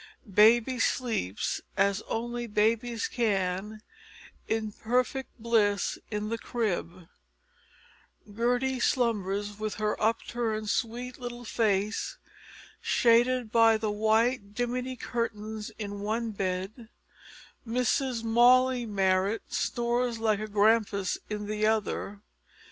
Baby sleeps as only babies can in perfect bliss in the crib; Gertie slumbers with her upturned sweet little face shaded by the white dimity curtains in one bed; Mrs Molly Marrot snores like a grampus in the other.